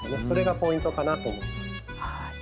それがポイントかなと思います。